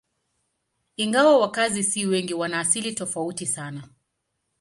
Ingawa wakazi si wengi, wana asili tofauti sana.